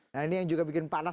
nah ini yang juga bikin panas